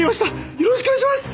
よろしくお願いします！